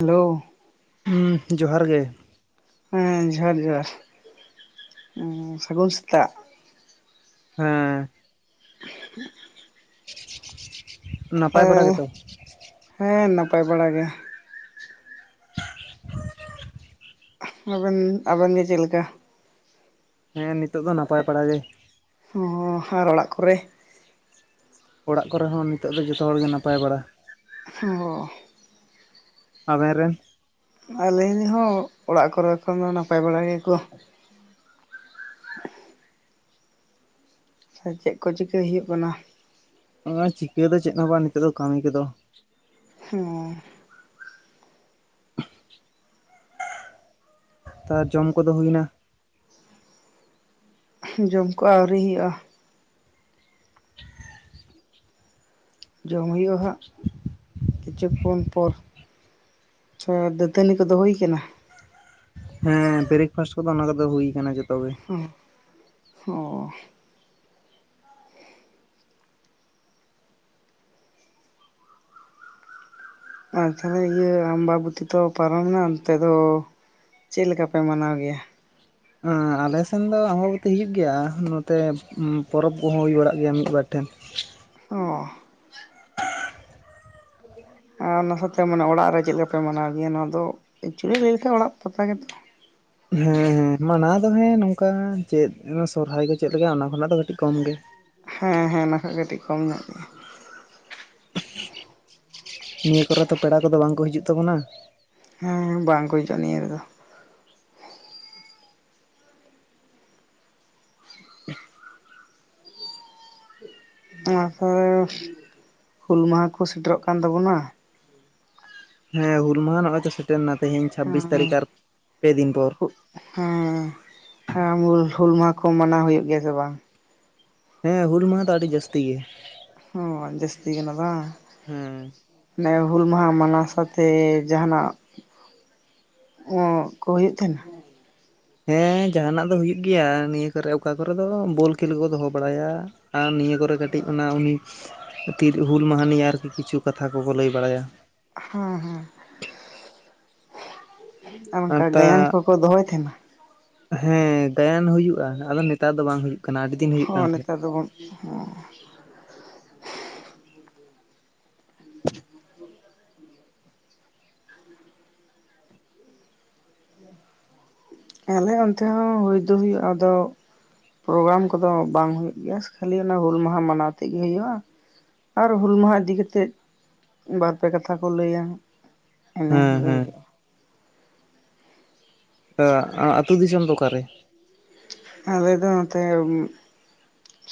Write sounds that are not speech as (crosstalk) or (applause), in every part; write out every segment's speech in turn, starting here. Hello ᱦᱩᱸ ᱡᱚᱦᱟᱨ ᱜᱮ᱾ ᱦᱮᱸ ᱡᱚᱦᱟᱨ ᱡᱚᱦᱟᱨ ᱥᱟᱹᱜᱩᱱ ᱥᱮᱛᱟᱜ᱾ ᱦᱮᱸ᱾ (inaudible) ᱱᱟᱯᱟᱭ ᱵᱟᱲᱟ ᱦᱮᱸ ᱜᱮᱛᱚ ᱦᱮᱸ ᱱᱟᱯᱟᱭ ᱵᱟᱲᱟ ᱜᱮᱭᱟ᱾ ᱟᱵᱮᱱ ᱟᱵᱮᱱ ᱜᱮ ᱪᱮᱫ ᱞᱮᱠᱟ? ᱦᱮᱸ ᱱᱤᱛᱳᱜ ᱫᱚ ᱱᱟᱯᱟᱭ ᱵᱟᱟᱲᱟᱜ ᱜᱮ᱾ ᱦᱚᱸ ᱟᱨ ᱚᱲᱟᱜ ᱠᱚᱨᱮ ᱚᱲᱟᱜ ᱠᱚᱨᱮ ᱦᱚᱸ ᱱᱤᱛᱚᱜ ᱫᱚ ᱡᱚᱛᱚ ᱦᱚᱲᱜᱮ ᱱᱟᱯᱟᱭ ᱵᱟᱲᱟ᱾ ᱦᱩᱸ ᱚᱻᱻ ᱟᱵᱮᱱ ᱨᱮᱱ ᱟᱞᱮ ᱨᱤᱱ ᱦᱚᱸ ᱚᱲᱟᱜ ᱠᱚᱨᱮ ᱠᱷᱚᱱ ᱫᱚ ᱱᱟᱯᱟᱭ ᱵᱟᱲᱟ ᱜᱮᱠᱚ᱾ ᱥᱮ ᱪᱮᱫ ᱠᱚ ᱪᱤᱠᱟᱹᱭ ᱦᱩᱭᱩᱜ ᱠᱟᱱᱟ? ᱱᱚᱜ-ᱚᱭ ᱪᱤᱠᱟᱹ ᱫᱚ ᱪᱮᱫ ᱦᱚᱸ ᱵᱟᱝ, ᱱᱤᱛᱚᱜ ᱫᱚ ᱠᱟᱹᱢᱤ ᱠᱚᱫᱚ ᱦᱮᱸ᱾ ᱛᱚ ᱡᱚᱢ ᱠᱚᱫᱚ ᱦᱩᱭᱱᱟ? ᱡᱚᱢ ᱠᱚ ᱟᱹᱣᱨᱤ ᱦᱩᱭᱩᱜᱼᱟ᱾ ᱡᱚᱢ ᱦᱦᱩᱭᱩᱜᱼᱟ ᱦᱟᱸᱜ᱾ (inaudible) ᱠᱤᱪᱷᱩ ᱠᱷᱚᱱ ᱯᱚᱨ ᱟᱪᱷᱟ ᱫᱟᱹᱛᱟᱹᱱᱤ ᱠᱚᱫᱚ ᱦᱩᱭ ᱠᱟᱱᱟ? ᱦᱮᱸ ᱵᱨᱮᱠᱯᱷᱟᱥᱴ ᱠᱚᱫᱚ ᱚᱱᱟ ᱠᱚᱫᱚ ᱦᱩᱭᱩᱭᱟ ᱟᱠᱟᱱᱟᱱᱟ ᱡᱚᱛᱚ ᱜᱮ᱾ ᱩᱸᱜ ᱚᱻ ᱟᱨ ᱛᱟᱦᱚᱞᱮ ᱤᱭᱟᱹ ᱟᱢᱵᱟᱵ ᱛᱤ ᱛᱚ ᱯᱟᱨᱚᱢᱱᱟ, ᱱᱤᱛᱚᱜ ᱫᱚ ᱪᱮᱫ ᱞᱮᱠᱟᱯᱮ ᱢᱟᱱᱟᱣ ᱜᱮᱭᱟ? ᱟᱞᱮ ᱥᱮᱱ ᱫᱚ ᱟᱢᱵᱵᱚᱛᱤ ᱦᱩᱭᱩᱜ ᱜᱮᱭᱟ᱾ ᱱᱚᱛᱮ ᱯᱚᱨᱚᱵᱽ ᱠᱚᱦᱚᱸ ᱦᱩᱭ ᱵᱟᱲᱟᱜ ᱜᱮᱭᱟ ᱢᱤᱫᱵᱟᱨ ᱴᱷᱮᱱ᱾ ᱚᱻ ᱟᱨ ᱚᱱᱟ ᱥᱟᱶᱛᱮ ᱢᱟᱱᱮ ᱚᱲᱟᱜ ᱨᱮ ᱪᱮᱫ ᱞᱮᱠᱟᱯᱮ ᱢᱟᱱᱟᱣ ᱜᱮᱭᱟ? ᱱᱚᱣᱟ ᱫᱚ ᱮᱠᱪᱩᱭᱮᱞᱤ ᱞᱟᱹᱭ ᱞᱮᱠᱷᱟᱱ ᱚᱲᱟᱜ ᱯᱟᱛᱟ ᱜᱮᱛᱚ᱾ ᱦᱮᱸ ᱦᱮᱸ ᱢᱟᱱᱟᱣ ᱫᱚ ᱦᱮᱸ ᱱᱚᱝᱠᱟ ᱪᱮᱫ ᱥᱚᱨᱦᱟᱭ ᱠᱚ ᱪᱮᱫᱞ ᱞᱮᱠᱟ ᱚᱱᱟ ᱠᱷᱚᱱᱟᱜ ᱫᱚ ᱠᱟᱹᱴᱤᱡ ᱠᱚᱢ ᱜᱮ᱾ ᱦᱮᱸ ᱦᱮᱸ ᱚᱱᱟ ᱠᱷᱚᱡ ᱠᱟᱹᱴᱤᱡ ᱠᱚᱢ ᱧᱚᱜ ᱜᱮᱭᱟ᱾ ᱱᱤᱭᱟᱹ ᱠᱚᱨᱮ ᱛᱚ ᱯᱮᱲᱟ ᱠᱚᱫᱚ ᱵᱟᱝᱠᱚ ᱦᱤᱡᱩᱜ ᱛᱟᱵᱚᱱᱟ᱾ ᱦᱮᱸ ᱵᱟᱝ ᱠᱚ ᱦᱤᱡᱩᱜᱼᱟ ᱱᱤᱭᱟᱹ ᱨᱮᱫᱚ᱾ ᱚᱱᱟ ᱯᱚᱨᱮ ᱦᱩᱞ ᱢᱟᱦᱟ ᱠᱚ ᱥᱮᱴᱮᱨᱚᱜ ᱠᱟᱱ ᱛᱟᱵᱚᱱᱟ᱾ ᱦᱮᱸ ᱦᱩᱞ ᱢᱟᱦᱟ ᱱᱚᱜᱼᱚᱭ ᱪᱚ ᱥᱮᱴᱮᱨᱱᱟ ᱛᱮᱦᱮᱧ ᱪᱷᱟᱵᱽᱵᱤᱥ ᱦᱮᱸ ᱛᱟᱹᱨᱤᱠᱷ ᱟᱨ ᱯᱮ ᱫᱤᱱ ᱯᱚᱨ᱾ ᱦᱮᱸ ᱦᱮᱸ ᱦᱩᱞ ᱢᱟᱦᱟ ᱠᱚ ᱢᱟᱱᱟᱣ ᱦᱩᱭᱩᱜ ᱜᱮᱭᱟ ᱥᱮ ᱵᱟᱝ? ᱦᱮᱸ ᱦᱩᱞ ᱢᱟᱦᱟ ᱫᱚ ᱟᱹᱰᱤ ᱡᱟᱹᱥᱛᱤ ᱜᱮ ᱦᱩᱸ ᱟ ᱡᱟᱹᱥᱛᱤᱜ ᱠᱟᱱᱟ ᱵᱟᱝ? ᱦᱮᱸ᱾ ᱚᱱᱮ ᱦᱩᱞ ᱢᱟᱦᱟ ᱢᱟᱱᱟᱣ ᱥᱟᱶᱛᱮ ᱡᱟᱦᱟᱱᱟᱜ ᱚᱸᱜ ᱦᱩᱭᱩᱜ ᱛᱟᱦᱮᱱᱟ? ᱦᱮᱸ ᱡᱟᱦᱟᱱᱟᱜ ᱫᱚ ᱦᱩᱭᱩᱜ ᱜᱮᱭᱟ, ᱱᱤᱭᱟᱹ ᱠᱚᱨᱮ ᱚᱠᱟ ᱠᱚᱨᱮ ᱫᱚ ᱵᱚᱞ ᱠᱷᱮᱞ ᱠᱚ ᱫᱚᱦᱚ ᱵᱟᱲᱟᱭᱟ᱾ ᱟᱨ ᱱᱤᱭᱟᱹ ᱠᱚᱨᱮ ᱠᱟᱹᱴᱤᱡ ᱚᱱᱟ ᱩᱱᱤ ᱛᱤᱞ ᱦᱩᱞ ᱢᱟᱦᱟᱱᱤ ᱟᱨᱠᱤ ᱠᱤᱪᱷᱩ ᱠᱟᱛᱷᱟ ᱠᱚᱠᱚ ᱞᱟᱹᱭ ᱵᱟᱲᱟᱭᱟ᱾ ᱦᱩᱸ ᱦᱩᱸ ᱟᱨ ᱚᱱᱠᱟ ᱟᱛᱟ ᱜᱟᱭᱟᱱ ᱠᱚᱠᱚ ᱫᱚᱦᱚᱭ ᱛᱟᱦᱮᱸᱱᱟ? ᱦᱮᱸ ᱜᱟᱭᱟᱱ ᱦᱩᱭᱩᱜᱼᱟ ᱟᱫᱚ ᱱᱮᱛᱟᱨ ᱫᱚ ᱵᱟᱝ ᱦᱩᱭᱩᱜ ᱠᱟᱱᱟ ᱟᱹᱰᱤ ᱫᱤᱱ ᱦᱩᱭᱩᱜ ᱦᱚᱸ ᱠᱟᱱ ᱛᱟᱦᱮᱸᱫ᱾ ᱱᱮᱛᱟᱨ ᱫᱚᱵᱚ ᱦᱚᱸ (inaudible) ᱟᱞᱮ ᱚᱱᱛᱮ ᱦᱚᱸ ᱦᱩᱭ ᱫᱚ ᱦᱩᱭᱩᱜᱼᱟ᱾ ᱟᱫᱚ ᱯᱨᱳᱜᱨᱟᱢ ᱠᱚᱫᱚ ᱵᱟᱝ ᱦ ᱦᱩᱭᱩᱜ ᱜᱮᱭᱟ ᱠᱷᱟᱹᱞᱤ ᱚᱱᱟ ᱦᱩᱞ ᱢᱟᱦᱟ ᱢᱟᱱᱟᱣ ᱛᱮᱜᱮ ᱦᱩᱭᱩᱜᱼᱟ᱾ ᱟᱨ ᱦᱩᱞ ᱢᱟᱦᱟ ᱤᱫᱤ ᱠᱟᱛᱮᱫ ᱵᱟᱨᱯᱮ ᱠᱟᱛᱷᱟ ᱠᱚ ᱞᱟᱹᱭᱟ ᱚᱱᱮ ᱦᱮᱸ ᱠᱚᱜᱮ ᱦᱩᱭᱩᱜᱼᱟ᱾ ᱟᱹᱛᱩ ᱫᱤᱥᱚᱢ ᱫᱚ ᱚᱠᱟᱨᱮ ᱟᱞᱮ ᱫᱚ ᱱᱚᱛᱮ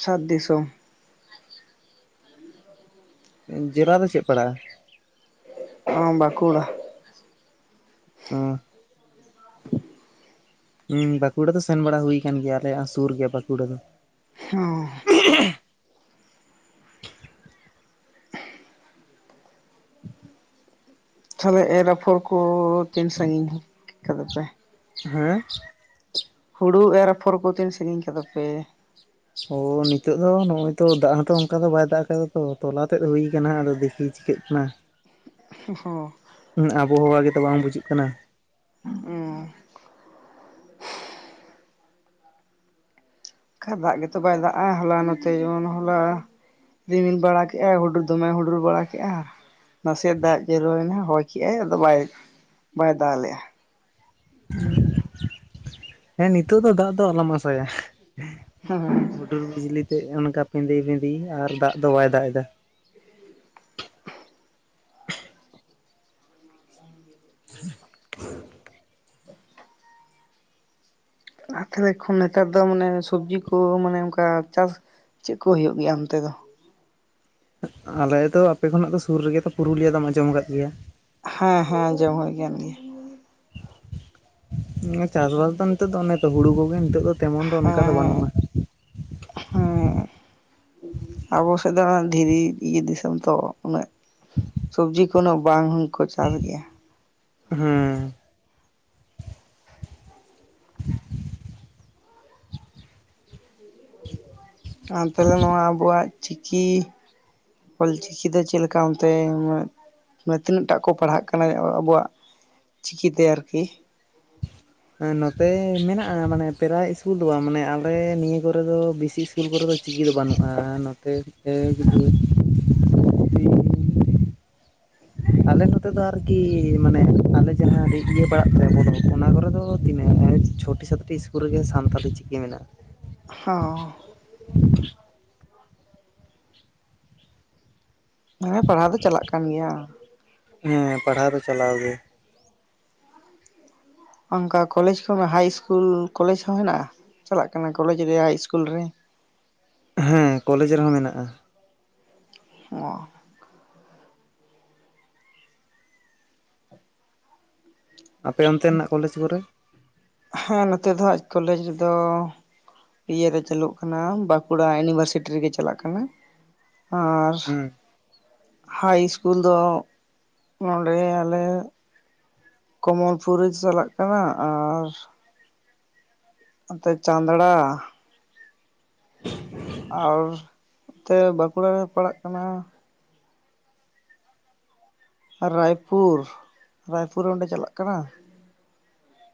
ᱥᱟᱛ ᱫᱤᱥᱚᱢ᱾ (inaudible) ᱡᱮᱞᱟ ᱫᱚ ᱪᱮᱫ ᱯᱟᱲᱟᱜᱼᱟ ᱚ ᱵᱟᱸᱠᱩᱲᱟ ᱚᱸ ᱦᱮᱸ ᱵᱟᱸᱠᱩᱲᱟ ᱫᱚ ᱥᱮᱱ ᱵᱟᱲᱟ ᱦᱩᱭ ᱟᱠᱟᱱ ᱜᱮᱭᱟ ᱟᱞᱮᱭᱟᱜ ᱥᱩᱨ ᱜᱮᱭᱟ ᱵᱟᱸᱠᱩᱲᱟ ᱫᱚ᱾ ᱚ ᱛᱟᱦᱚᱞᱮ ᱮᱨ ᱟᱯᱷᱚᱨ ᱠᱚ ᱛᱤᱱ ᱥᱟᱺᱜᱤᱧ ᱠᱟᱫᱟᱯᱮ? ᱦᱮᱸ ᱦᱩᱲᱩ ᱮᱨ ᱟᱯᱷᱚᱨ ᱠᱚ ᱛᱤᱱ ᱥᱟᱺᱜᱤᱧ ᱠᱟᱫᱟᱯᱮ? ᱚ ᱱᱤᱛᱳ ᱫᱚ ᱱᱚᱜᱼᱚᱭ ᱛᱚ ᱫᱟᱜ ᱦᱚᱸᱛᱚ ᱚᱱᱠᱟ ᱫᱚ ᱵᱟᱭ ᱫᱟᱜ ᱟᱠᱟᱫᱟ ᱛᱚ, ᱛᱚᱞᱟ ᱛᱮᱫ ᱦᱩᱭ ᱠᱟᱱᱟ ᱟᱫᱚ ᱫᱮᱠᱷᱤ ᱪᱤᱠᱟᱹᱜ ᱠᱟᱱᱟ ᱦᱚᱸ ᱦᱮᱸ ᱟᱵᱚᱦᱟᱣᱟ ᱜᱮᱛᱚ ᱵᱟᱝ ᱵᱩᱡᱩᱜ ᱠᱟᱱᱟ᱾ ᱚ ᱮᱡ ᱫᱟᱜ ᱜᱮᱛᱚ ᱵᱟᱭ ᱫᱟᱜᱼᱟ ᱦᱚᱞᱟ ᱱᱚᱛᱮ ᱡᱮᱢᱚᱱ ᱦᱚᱞᱟ ᱨᱤᱢᱤᱞ ᱵᱟᱲᱟ ᱠᱮᱫᱼᱟᱭ ᱦᱩᱰᱩᱨ ᱫᱚᱢᱮ ᱦᱩᱰᱩᱨ ᱵᱟᱲᱟ ᱠᱮᱫᱼᱟ ᱟᱨ ᱱᱟᱥᱮᱭᱟᱜ ᱫᱟᱜ ᱡᱚᱨᱚᱭᱱᱟ ᱦᱚᱭ ᱠᱮᱜᱟᱭ ᱟᱫᱚ ᱵᱟᱭ ᱵᱟᱭ ᱫᱟᱞ ᱞᱮᱫᱼᱟ᱾ ᱦᱮᱸ ᱱᱤᱛᱚᱜ ᱫᱚ ᱫᱟᱜ ᱫᱚ ᱟᱞᱚᱢ ᱟᱥᱟᱭᱟ᱾ ᱦᱮᱸ ᱦᱩᱴᱩᱨ ᱵᱤᱡᱞᱤᱛᱮ ᱚᱱᱠᱟ ᱯᱮᱸᱫᱮ ᱵᱷᱮᱸᱫᱮ ᱟᱨ ᱫᱟᱜ ᱫᱚ ᱵᱟᱭ ᱫᱟᱜ ᱮᱫᱟ᱾ ᱦ (unintelligible) ᱛᱟᱦᱚᱞᱮ ᱠᱷᱚᱱ ᱱᱮᱛᱟᱨ ᱫᱚ ᱢᱟᱱᱮ ᱥᱚᱵᱽᱡᱤ ᱠᱚ ᱢᱟᱱᱮ ᱚᱱᱠᱟ ᱪᱟᱥ ᱪᱮᱫ ᱠᱚ ᱦᱩᱭᱩᱜ ᱜᱮᱭᱟ ᱚᱱᱛᱮ ᱫᱚ? ᱟᱞᱮ ᱫᱚ ᱟᱯᱮ ᱠᱷᱚᱱᱟᱜ ᱫᱚ ᱥᱩᱨ ᱨᱮᱜᱮ ᱛᱚ ᱯᱩᱨᱩᱞᱤᱭᱟᱹ ᱫᱚᱢ ᱟᱸᱡᱚᱢ ᱟᱠᱟᱫ ᱜᱮᱭᱟ᱾ ᱦᱮᱸ ᱦᱮᱸ ᱡᱚᱢ ᱦᱩᱭ ᱟᱠᱟᱱ ᱜᱮᱭᱟ (inaudible) ᱪᱟᱥᱵᱟᱥ ᱫᱚ ᱱᱤᱛᱚᱜ ᱫᱚ ᱚᱱᱮᱛᱚ ᱦᱩᱲᱩ ᱠᱚᱜᱮ ᱱᱤᱛᱚᱜ ᱫᱚ ᱛᱮᱢᱚᱱ ᱫᱚ ᱚᱱᱠᱟ ᱫᱚ ᱦᱮᱸ ᱵᱟᱹᱱᱩᱜᱼᱟ ᱦᱮᱸ ᱟᱵᱚ ᱥᱮᱫ ᱫᱚ ᱫᱷᱤᱨᱤ ᱤᱭᱟᱹ ᱫᱤᱥᱚᱢ ᱛᱚ ᱩᱱᱟᱹᱜ ᱥᱚᱵᱡᱤ ᱠᱚ ᱩᱱᱟ. ᱜ ᱵᱟᱝ ᱦᱚᱠᱚ ᱪᱟᱥ ᱜᱮᱭᱟ᱾ ᱦᱮᱸ ᱟᱨ ᱛᱟᱦᱚᱞᱮ ᱱᱚᱣᱟ ᱟᱵᱚᱣᱟᱜ ᱪᱤᱠᱤ ᱚᱞᱪᱤᱠᱤ ᱫᱚ ᱪᱮᱫ ᱞᱮᱠᱟ ᱚᱱᱛᱮ ᱢᱟᱱᱮ ᱛᱤᱱᱟᱹᱜ ᱴᱟᱜ ᱠᱚ ᱯᱟᱲᱦᱟᱜ ᱠᱟᱱᱟ ᱟᱵᱚᱣᱟᱜ ᱪᱤᱠᱤᱛᱮ ᱟᱨᱠᱤ ᱱᱚᱛᱮ ᱢᱮᱱᱟᱜᱼᱟ ᱢᱟᱱᱮ ᱯᱨᱟᱭ ᱤᱥᱠᱩᱞ ᱫᱚ ᱵᱟᱝ ᱢᱟᱱᱮ ᱟᱞᱮ ᱱᱤᱭᱟᱹ ᱠᱚᱨᱮ ᱫᱚ ᱵᱮᱥᱤ ᱥᱠᱩᱞ ᱠᱚᱨᱮ ᱫᱚ ᱪᱤᱠᱤ ᱫᱚ ᱵᱟᱹᱱᱩᱜᱼᱟ ᱱᱚᱛᱮ ᱮᱠ ᱫᱩᱭ ᱟᱞᱮ ᱱᱚᱛᱮ ᱫᱚ ᱟᱨᱠᱤ ᱢᱟᱱᱮ ᱟᱞᱮ ᱡᱟᱦᱟᱸ ᱤᱭᱟᱹ (unintelligible) ᱵᱟᱲᱟᱜ ᱫᱚ ᱚᱱᱟ ᱠᱚᱨᱮ ᱫᱚ ᱛᱤᱱᱟᱹᱜ ᱪᱷᱚᱴᱴᱤ ᱥᱟᱛᱴᱤ ᱤᱥᱠᱩᱞ ᱨᱮᱜᱮ ᱥᱟᱱᱛᱟᱞᱤ ᱪᱤᱠᱤ ᱢᱮᱱᱟᱜᱼᱟ (inaudible) ᱦ ᱦᱮᱸ ᱯᱟᱲᱦᱟᱣ ᱫᱚ ᱪᱟᱞᱟᱜ ᱠᱟᱱ ᱜᱮᱭᱟ ᱦᱮᱸ ᱯᱟᱲᱦᱟᱣ ᱫᱚ ᱪᱟᱞᱟᱣ ᱜᱮ ᱚᱱᱠᱟ ᱠᱚᱞᱮᱡᱽ ᱠᱚ ᱦᱟᱭ ᱤᱥᱠᱩᱞ ᱠᱚᱞᱮᱡᱽ ᱦᱚᱸ ᱦᱮᱱᱟᱜᱼᱟ, ᱪᱟᱞᱟᱜ ᱠᱟᱱᱟ ᱠᱚᱞᱮᱡᱽ ᱨᱮ ᱦᱟᱭ ᱤᱥᱠᱩᱞ ᱨᱮ᱾ ᱦᱮᱸ ᱠᱚᱞᱮᱡᱽ ᱨᱮᱦᱚᱸ ᱢᱮᱱᱟᱜᱼᱟ᱾ ᱚ ᱟᱯᱮ ᱚᱱᱛᱮᱱᱟᱜ ᱠᱚᱞᱮᱡᱽ ᱠᱚᱨᱮ ᱦᱮᱸ ᱱᱚᱛᱮ ᱫᱚᱦᱟᱜ ᱠᱚᱞᱮᱡᱽ ᱨᱮᱫᱚ ᱤᱭᱟᱹᱨᱮ ᱪᱟᱹᱞᱩᱜ ᱠᱟᱱᱟ ᱵᱟᱸᱠᱩᱲᱟ ᱤᱭᱩᱱᱤᱵᱷᱟᱨᱥᱤᱴᱤ ᱨᱮᱜᱮ ᱪᱟᱞᱟᱜ ᱠᱟᱱᱟ ᱾ ᱟᱨ ᱦᱩᱸ ᱦᱟᱭ ᱤᱥᱠᱩᱞ ᱫᱚ ᱱᱚᱸᱰᱮ ᱟᱞᱮ ᱠᱚᱢᱚᱞᱯᱩᱨᱤ ᱪᱟᱞᱟᱜ ᱠᱟᱱᱟ ᱟᱨ (unintelligible) ᱪᱟᱸᱫᱲᱟ ᱟᱨ ᱱᱱᱚᱛᱮ ᱵᱟᱸᱠᱩᱲᱟ ᱨᱮ ᱯᱟᱲᱟᱜ ᱠᱟᱱᱟ ᱾ ᱨᱟᱭᱯᱩᱨ ᱨᱟᱭᱯᱩᱨ ᱨᱮ ᱚᱸᱰᱮ ᱪᱟᱞᱟᱜ ᱠᱟᱱᱟ ᱾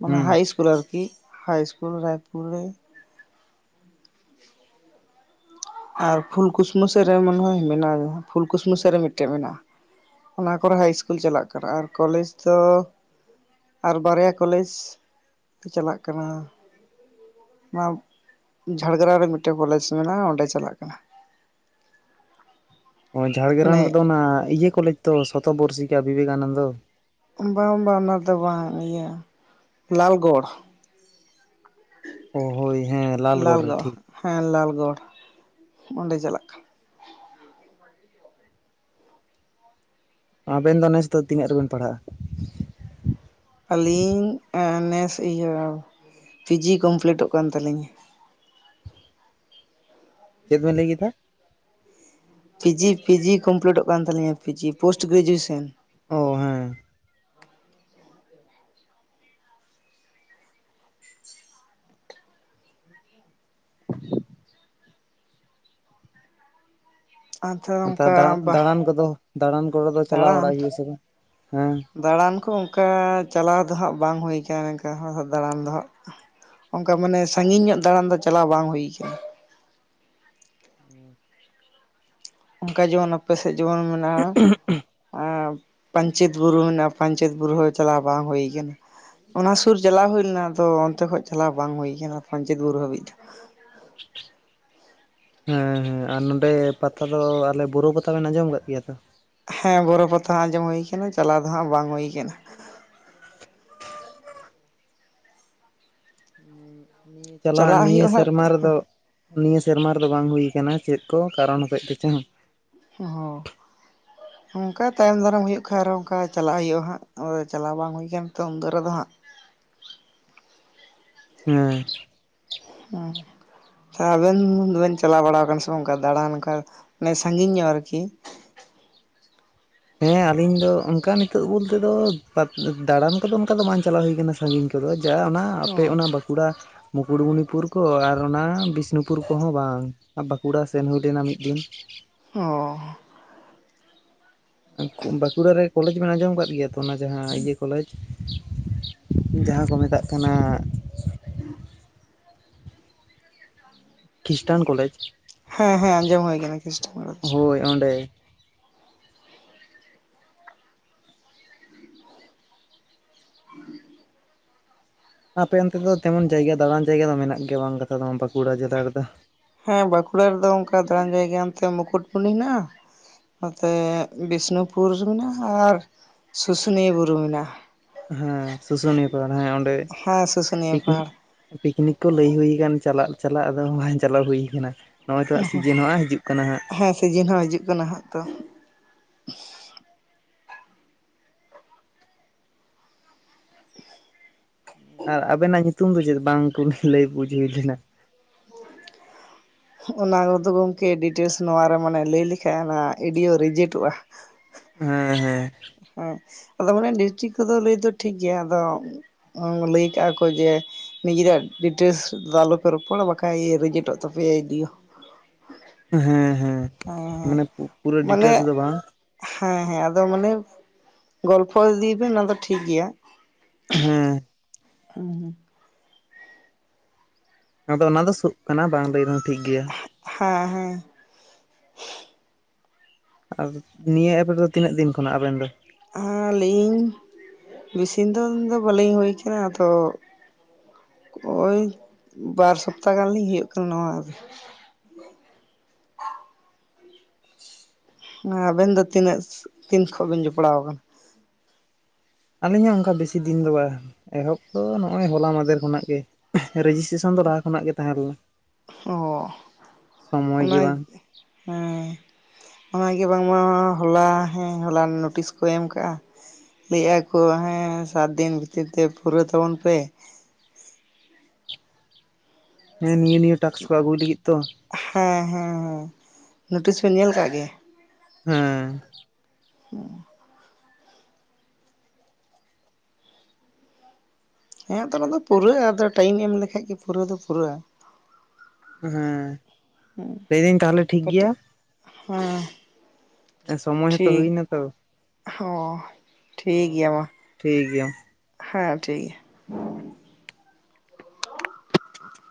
ᱚᱱᱟ ᱦᱟᱭ ᱤᱥᱠᱩᱞ ᱟᱨᱠᱤ ᱦᱟᱭ ᱤᱥᱠᱩᱞ ᱨᱟᱭᱯᱩᱨ ᱨᱮ ᱟᱨ ᱯᱷᱩᱞᱠᱩᱥᱢᱟᱹ ᱥ ᱨᱮ ᱢᱚᱱᱮ ᱢᱮᱱᱟᱜᱼᱟ ᱯᱷᱩᱞᱠᱩᱥᱢᱟᱹ ᱥᱮᱫ ᱨᱮ ᱢᱤᱫᱴᱮᱱ ᱢᱮᱱᱟᱜᱼᱟ ᱾ ᱚᱱᱟ ᱠᱚᱨᱮ ᱦᱟᱭ ᱤᱥᱠᱩᱞ ᱪᱟᱞᱟᱜ ᱠᱟᱱᱟ ᱟᱨ ᱠᱚᱞᱮᱡᱽ ᱫᱚ ᱟᱨ ᱵᱟᱨᱭᱟ ᱠᱚᱞᱮᱡᱽ ᱪᱟᱞᱟᱜ ᱠᱟᱱᱟ ᱚᱱᱟ ᱡᱷᱟᱲᱜᱨᱟᱢ ᱨᱮ ᱢᱤᱫᱴᱮᱱ ᱠᱚᱞᱮᱡᱽ ᱢᱮᱱᱟᱜᱼᱟ ᱚᱸᱰᱮ ᱪᱟᱞᱟᱜ ᱠᱟᱱᱟ ᱾ ᱚ ᱡᱷᱟᱲᱜᱨᱟᱢ ᱢᱟᱱᱮ ᱨᱮᱫᱚ ᱚᱱᱟ ᱤᱭᱟᱹ ᱠᱚᱞᱮᱡᱽ ᱛᱚ ᱥᱚᱛᱚ ᱵᱚᱨᱥᱤᱠᱟ ᱵᱤᱵᱮᱠᱟᱱᱚᱱᱫᱚ ᱵᱟᱝ ᱵᱟᱝ ᱚᱱᱟ ᱫᱚ ᱵᱟᱝ ᱤᱭᱟᱹ ᱞᱟᱞᱜᱚᱲ ᱚ ᱦᱳᱭ ᱦᱮᱸ ᱨᱮ ᱞᱟᱞᱜᱚᱲ ᱴᱷᱤᱠ ᱦᱮᱸ ᱞᱟᱞᱜᱚᱲ ᱚᱸᱰᱮ ᱪᱟᱞᱟᱜ ᱠᱟᱱᱟ ᱾ ᱟᱵᱮᱱ ᱫᱚ ᱱᱮᱥᱚᱜ ᱫᱚ ᱛᱤᱱᱟᱹᱜ ᱨᱮᱵᱮᱱ ᱯᱟᱲᱦᱟᱜᱼᱟ ᱾ ᱟᱹᱞᱤᱧ ᱱᱮᱥ ᱤᱭᱟᱹ ᱯᱤᱡᱤ ᱠᱚᱢᱯᱞᱤᱤᱴᱚᱜ ᱠᱟᱱ ᱛᱟᱹᱞᱤᱧᱟ ᱾ ᱪᱮᱫ ᱵᱮᱱ ᱞᱟᱹᱭ ᱠᱮᱫᱟ ᱾ ᱯᱤᱡᱤ ᱯᱤᱡᱤ ᱠᱚᱢᱯᱞᱤᱴᱚᱜ ᱠᱟᱱ ᱛᱟᱹᱞᱤᱧᱟ ᱯᱤᱡᱤ ᱯᱳᱥᱴ ᱜᱨᱮᱡᱩᱭᱮᱥᱮᱱ ᱚ ᱦᱮᱸ ᱟᱫᱚ ᱱ ᱚᱱᱠᱟ ᱵᱟ ᱫᱟᱬᱟᱱ ᱠᱚᱫᱚ ᱫᱟᱬᱟᱱ ᱠᱚᱨᱮ ᱫᱚ ᱪᱟᱞᱟᱣ ᱫᱟᱬᱟᱱ ᱵᱟᱲᱟᱜ ᱦᱩᱭᱩᱜᱼᱟ ᱥᱮ ᱵᱟᱝ ᱦᱮᱸ ᱫᱟᱬᱟᱱ ᱠᱚ ᱚᱱᱠᱟ ᱪᱟᱞᱟᱣ ᱫᱚ ᱦᱟᱸᱜ ᱵᱟᱝ ᱦᱩᱭᱠ ᱮᱱᱠᱟ ᱦᱚᱸ ᱫᱟᱬᱟᱱ ᱫᱚ ᱦᱟᱸᱜ ᱾ ᱚᱱᱠᱟ ᱢᱟᱱᱮ ᱥᱟᱺᱜᱤᱧ ᱧᱚᱜ ᱫᱟᱬᱟᱱ ᱫᱚ ᱪᱟᱞᱟᱣ ᱵᱟᱝ ᱦᱩᱭ ᱠᱟᱱᱟ ᱾ ᱦᱩᱸ (inaudible) ᱚᱱᱠᱟ ᱡᱮᱢᱚᱱ ᱟᱯᱮ ᱥᱮᱫ ᱡᱮᱢᱚᱱ ᱢᱮᱱᱟᱜᱼᱟ ᱾ ᱦ ᱯᱧᱪᱮᱛ ᱵᱩᱨᱩ ᱢᱮᱱᱟᱜᱟ ᱯᱧᱪᱮᱛ ᱵᱯᱩᱨᱩ ᱦᱚᱸ ᱪᱟᱞᱟᱜ ᱵᱟᱝ ᱦᱩᱭ ᱟᱠᱟᱱᱟ ᱾ ᱚᱱᱟ ᱥᱩᱨ ᱪᱟᱞᱟᱣ ᱦᱩᱭ ᱞᱮᱱᱟ ᱟᱫᱚ ᱚᱱᱛᱮ ᱠᱷᱚᱡ ᱪᱟᱞᱟᱣ ᱵᱟᱝ ᱦᱩᱭ ᱟᱠᱟᱱᱟ ᱯᱟᱧᱪᱮᱛ ᱵᱩᱨᱩ ᱦᱟᱹᱵᱤᱡ ᱫᱚ ᱾ ᱦᱮᱸ ᱦᱮᱸ ᱟᱨ ᱱᱚᱸᱰᱮ ᱯᱟᱛᱟ ᱫᱚ ᱟᱞᱮ ᱵᱩᱨᱩ ᱯᱟᱛᱟ ᱞᱮᱱ ᱟᱸᱡᱚᱢ ᱠᱫ ᱜᱮᱭᱟ ᱛᱚ ᱦᱮᱸ ᱜᱚᱨᱚ ᱯᱟᱚᱛ ᱦᱚᱸ ᱟᱸᱡᱚᱢ ᱦᱩᱭᱭᱟ ᱠᱟᱱᱟ ᱪᱟᱞᱟᱣ ᱫᱚ ᱦᱟᱸᱜ ᱵᱟᱝ ᱦᱩᱭ ᱠᱟᱱᱟ. ᱾ ᱱᱤᱭᱟᱹ ᱪᱟᱞᱟᱟᱜ ᱪᱟᱞᱟᱜ ᱱᱤᱭᱟᱹ ᱦᱩᱭᱩᱜᱼᱟ ᱥᱮᱨᱢᱟ ᱨᱮᱫᱚ ᱾ ᱱᱤᱭᱟᱹ ᱥᱮᱨᱢᱟ ᱨᱮᱫᱚ ᱵᱟᱝ ᱦᱩᱭ ᱟᱠᱟᱱᱟᱟᱱᱟ ᱪᱮᱫ ᱠᱚ ᱠᱟᱨᱚᱱ ᱦᱚᱛᱮᱡ ᱛᱮ ᱪᱮᱫ ᱦᱚᱸ ᱦ ᱚᱱᱠᱟ ᱛᱟᱭᱚᱢ ᱫᱟᱨᱟᱢ ᱦᱩᱭᱩᱜ ᱠᱷᱟ ᱟᱨᱦᱚᱸ ᱚᱱᱠᱟ ᱪᱟᱞᱟᱜ ᱦᱩᱭᱩᱜᱼᱟ ᱦᱟᱸᱜ ᱟ ᱪᱟᱞᱟᱣ ᱵᱟᱝ ᱦᱩᱭᱠᱟᱱ ᱛᱚ ᱩᱱᱢᱫᱟᱹ ᱨᱮᱫᱚ ᱦᱟᱸᱜ ᱾ ᱦᱮᱸ ᱦᱮᱸ ᱟᱵᱮᱱ ᱫᱚᱵᱮᱱ ᱪᱟᱞᱟᱣ ᱵᱟᱲᱟ ᱟᱠᱟᱱᱟ ᱥᱮ ᱵᱟᱝ ᱚᱱᱠᱟ ᱫᱟᱬᱟᱱ ᱝᱠᱟ ᱢᱟᱱᱮ ᱥᱟᱺᱜᱤᱧ ᱧᱚᱜ ᱟᱨᱠᱤ ᱦᱮᱸ ᱟᱞᱤᱧ ᱫᱚ ᱚᱱᱠᱟ ᱱᱤᱛᱚᱜ ᱵᱚᱞᱛᱮ ᱫᱚ ᱫᱟᱬᱟᱱ ᱠᱚᱫᱚ ᱚᱱᱠᱟ ᱫᱚ ᱵᱟᱝ ᱪᱟᱞᱟᱣ ᱦᱩᱭ ᱟᱠᱟᱱᱟ ᱥᱟᱺᱜᱤᱧ ᱠᱷᱚᱱ ᱾ ᱫᱚ ᱡᱟ ᱚᱱᱟ ᱟᱯᱮ ᱚ ᱚᱱᱟ ᱵᱟ ᱵᱟ ᱢᱩᱠᱩᱴᱢᱩᱱᱤᱯᱩᱨ ᱠᱚ ᱟᱨ ᱚᱱᱟ ᱵᱤᱥᱱᱩᱯᱩᱨ ᱠᱚᱦᱚᱸ ᱵᱟᱝ ᱵᱟᱸᱠᱩᱲᱟ ᱥᱮᱱ ᱦᱩᱭ ᱞᱮᱱᱟ ᱢᱤᱫ ᱫᱤᱱ ᱾ ᱚ ᱵᱟᱸᱠᱩᱲᱟᱟᱨ ᱨᱮ ᱠᱚᱞᱮᱡᱽ ᱵᱮᱱ ᱟᱸᱡᱚᱢ ᱟᱠᱟᱫ ᱜᱮᱭᱟ ᱛᱚ ᱚᱱᱟ ᱡᱟᱦᱟᱸ ᱤᱭᱟᱹ ᱠᱚᱞᱮᱡᱽ ᱾ ᱡᱟᱦᱟᱸ ᱠᱚ ᱢᱮᱛᱟᱜ ᱠᱟᱱᱟ ᱠᱷᱤᱥᱴᱟᱱ ᱠᱚᱞᱮᱡᱽ ᱦᱮᱸ ᱦᱮᱸ ᱟᱸᱡᱚᱢ ᱦᱩᱭ ᱟᱠᱟᱱᱟ ᱠᱷᱨᱤᱥᱴᱟᱵᱟ ᱫᱚ ᱦᱳᱭ ᱚᱸᱰᱮ ᱟᱨᱮᱸ (inaudible) ᱟᱯᱮ ᱚᱱᱛᱮ ᱫᱚ ᱛᱮᱢᱚᱱ ᱡᱟᱭᱜᱟ ᱫᱟᱲᱟᱱ ᱡᱟᱭᱜᱟ ᱫᱚ ᱢᱮᱱᱟᱜ ᱜᱮᱭᱟ ᱵᱟᱝ ᱠᱟᱛᱷᱟ ᱫᱚ ᱱᱚᱣᱟ ᱵᱟᱸᱠᱩᱲᱟ ᱡᱮᱞᱟ ᱨᱮᱫᱚ ᱦᱮᱸ ᱵᱟᱸᱠᱩᱲᱟ ᱨᱮᱫᱚ ᱚᱱᱠᱟ ᱫᱟᱬᱟᱱ ᱡᱟᱭᱜᱟ ᱱᱛᱮ ᱢᱩᱠᱩᱴᱢᱩᱱᱤ ᱦᱮᱱᱟᱜᱼᱟ ᱾ ᱱᱚᱛᱮ ᱵᱤᱥᱱᱩᱯᱩᱨ ᱢᱮᱱᱟᱜᱼᱟ ᱟᱨ ᱥᱩᱥᱩᱱᱤᱭᱟᱹ ᱵᱩᱨᱩ ᱢᱮᱱᱟᱜᱼᱟ ᱾ ᱦᱮᱸ ᱥᱩᱥᱩᱱᱤᱭᱟᱹ ᱯᱟᱦᱟᱲ ᱦᱮᱸ ᱚᱸᱰᱮ ᱦᱮᱸ ᱥᱩᱥᱩᱱᱤᱭᱟᱹ ᱯᱤᱠᱱᱤᱠ ᱯᱟᱦᱟᱲ ᱯᱤᱠᱱᱤᱠ ᱠᱚ ᱞᱟᱹᱭ ᱦᱩᱭᱠᱟᱱ ᱪᱟᱞᱟᱜ ᱪᱟᱞᱟᱜ ᱟᱫᱚ ᱵᱟᱝ ᱪᱟᱞᱟᱣ ᱦᱩᱭ ᱠᱟᱱᱟ ᱱᱚᱜᱼᱚᱭ ᱛᱚ ᱚ ᱦᱟᱸᱜ ᱦᱩᱸ ᱥᱤᱡᱤᱱ ᱦᱚᱸᱜ ᱦᱤᱡᱩᱜ ᱦᱟᱸᱜ ᱦᱮᱸ ᱥᱤᱡᱮᱱ ᱦᱚᱸ ᱦᱤᱡᱩᱜ ᱠᱟᱱᱟ ᱦᱟᱸᱜ ᱛᱚ ᱟᱨ ᱟᱵᱮᱱᱟᱜ ᱧᱩᱛᱩᱢ ᱫᱚ ᱪᱮᱫ ᱵᱟᱝ ᱠᱩᱞᱤ ᱞᱟᱹᱭ ᱵᱩᱡ ᱦᱩᱭ ᱞᱮᱱᱟ? ᱚᱱᱟ ᱠᱚᱫᱚ ᱜᱚᱝᱠᱮ ᱰᱤᱴᱮᱞᱥ ᱱᱚᱣᱟᱮ ᱢᱟᱱᱮ ᱞᱟᱹᱭ ᱞᱮᱠᱷᱟᱡ ᱚᱱᱟ ᱮᱰᱤᱭᱳ ᱨᱮᱡᱮᱴᱚᱜᱼᱟ ᱾ ᱦᱮᱸ ᱦᱮᱸ ᱾ ᱦᱮᱸ ᱟᱫᱚ ᱢᱟᱱᱮ ᱰᱤᱥᱴᱨᱤᱠ ᱠᱚᱫᱚ ᱞᱟᱹᱭ ᱫᱚ ᱴᱷᱤᱠ ᱜᱮᱭᱟ ᱟᱫᱚ ᱞᱟᱹᱭ ᱠᱟᱜ ᱠᱚ ᱡᱮ ᱱᱤᱡᱮᱨᱟᱜ ᱰᱤᱴᱮᱞᱥ ᱫᱚ ᱟᱞᱚ ᱯᱮ ᱨᱚᱯᱚᱲᱟ ᱵᱟᱠᱷᱟᱡ ᱨᱮᱡᱮᱴᱚᱜ ᱛᱟᱯᱮᱭᱟ ᱮᱰᱤᱭᱳ ᱾ ᱦᱮᱸ ᱦᱮᱸ ᱾ ᱢᱟᱱᱮ ᱯᱩᱨᱟᱹ ᱢᱟᱱᱮ ᱰᱤᱴᱮᱞᱥ ᱫᱚ ᱵᱟᱝ ᱾ ᱦᱮᱸ ᱦᱮᱸ ᱾ ᱟᱫᱚ ᱢᱟᱱᱮ ᱜᱚᱞᱯᱚ ᱤᱫᱤ ᱵᱤᱱ ᱚᱱᱟ ᱫᱚ ᱴᱷᱤᱠ ᱜᱮᱭᱟ ᱾ ᱦᱮᱸ ᱾ ᱦᱩᱸ ᱦᱩᱸ ᱾ ᱟᱫᱚ ᱚᱱᱟ ᱫᱚ ᱥᱳ ᱠᱟᱱᱟ ᱵᱟᱝ ᱞᱟᱹᱭ ᱨᱮᱦᱚᱸ ᱴᱷᱤᱠ ᱜᱮᱭᱟ ᱾ ᱦᱮᱸ ᱦᱮᱸ ᱾ ᱟᱨ ᱱᱤᱭᱟᱹ ᱮᱯ ᱨᱮᱫᱚ ᱛᱤᱱᱟᱹᱜ ᱫᱤᱱ ᱠᱷᱚᱱᱟᱜ ᱟᱵᱮᱱ ᱫᱚ? ᱞᱤᱧ ᱵᱮᱥᱤᱱ ᱫᱚᱱ ᱫᱚ ᱵᱟᱹᱞᱤᱧ ᱦᱩᱭ ᱟᱠᱟᱱᱟ ᱟᱫᱚ ᱾ ᱳᱭ ᱵᱟᱨ ᱥᱚᱯᱛᱟ ᱜᱟᱱ ᱞᱤᱧ ᱦᱩᱭᱩᱜ ᱠᱟᱱᱟ ᱱᱚᱣᱟ ᱟᱵᱮᱱ ᱫᱚ ᱛᱤᱱᱟᱹᱜ ᱛᱤᱱ ᱠᱷᱚᱱ ᱵᱮᱱ ᱡᱚᱯᱲᱟᱣ ᱟᱠᱟᱱᱟ? ᱟᱹᱞᱤᱧᱟᱜ ᱚᱱᱠᱟ ᱵᱮᱥᱤ ᱫᱤᱱ ᱫᱚ ᱵᱟᱝ ᱮᱦᱚᱵ ᱫᱚ ᱱᱚᱦᱚᱭ ᱦᱚᱞᱟ ᱢᱟᱫᱷᱮᱨ ᱠᱷᱚᱱᱟᱜ ᱜᱮ ᱾ ᱨᱮᱡᱤᱥᱴᱨᱮᱥᱚᱱ ᱫᱚ ᱞᱟᱦᱟ ᱠᱷᱚᱱᱟᱜ ᱜᱮ ᱛᱟᱦᱮᱸ ᱞᱮᱱᱟ ᱚ ᱥᱚᱢᱚᱭ ᱚᱱᱟ ᱜᱮ ᱵᱟᱝ ᱾ ᱦᱮᱸ ᱾ ᱚᱱᱟ ᱜᱮ ᱵᱟᱝᱢᱟ ᱦᱚᱞᱟ ᱦᱮᱸ ᱦᱚᱞᱟ ᱱᱳᱴᱤᱥ ᱠᱚ ᱮᱢ ᱟᱠᱟᱜᱼᱟ ᱾ ᱞᱟᱹᱭᱮᱫ ᱟᱠᱚ ᱦᱮᱸ ᱥᱟᱛ ᱫᱤᱱ ᱵᱷᱤᱛᱤᱨ ᱛᱮ ᱯᱩᱨᱟᱹᱣ ᱛᱟᱵᱚᱱ ᱯᱮ ᱾ ᱦᱮᱸ ᱱᱤᱭᱟᱹ ᱱᱤᱭᱟᱹ ᱴᱟᱠᱥ ᱠᱚ ᱟᱹᱜᱩᱭ ᱞᱟᱹᱜᱤᱫ ᱛᱚ ᱾ ᱦᱮᱸ ᱦᱮᱸ ᱦᱮᱸ ᱾ ᱱᱳᱴᱤᱥ ᱵᱮᱱ ᱧᱮᱞ ᱟᱠᱟᱜ ᱜᱮᱭᱟ? ᱦᱮᱸ ᱾ ᱦᱮᱸ ᱾ (unintelligible) ᱦᱮᱸ ᱟᱫᱚ ᱚᱱᱟ ᱫᱚ ᱯᱩᱨᱟᱹᱜᱼᱟ ᱟᱫᱚ ᱴᱟᱭᱤᱢ ᱮᱢ ᱞᱮᱠᱷᱟᱡ ᱜᱮ ᱯᱩᱨᱟᱹ ᱫᱚ ᱯᱩᱨᱟᱹᱜᱼᱟ ᱾ ᱦᱮᱸ ᱾ ᱦᱮᱸ ᱠᱟᱹᱴ ᱦᱮᱸ (unintelligible) ᱥᱚᱢᱚᱭ ᱦᱚᱸᱛᱚ ᱴᱷᱤᱠ ᱦᱩᱭᱱᱟ ᱛᱚ ᱾ ᱦᱚᱸ ᱴᱷᱤᱠ ᱜᱮᱭᱟ ᱢᱟ ᱴᱷᱤᱠ ᱜᱮᱭᱟ ᱾ ᱦᱮᱸ ᱴᱷᱤᱠ ᱜᱮᱭᱟ ᱾